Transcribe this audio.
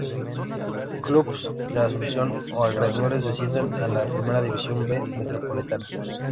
Clubes de Asunción o alrededores descienden a la Primera División B Metropolitana.